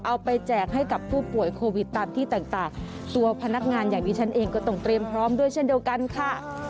แจกให้กับผู้ป่วยโควิดตามที่ต่างตัวพนักงานอย่างที่ฉันเองก็ต้องเตรียมพร้อมด้วยเช่นเดียวกันค่ะ